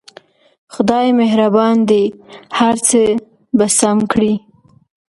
خدای مهربان دی هر څه به سم کړي